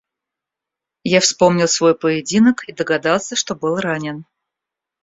Я вспомнил свой поединок и догадался, что был ранен.